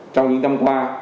trong những năm qua